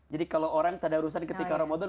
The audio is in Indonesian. jadi kalau orang tak ada urusan ketika ramadan